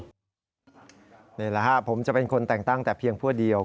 นี่แหละครับผมจะเป็นคนแต่งตั้งแต่เพียงพวกเดียว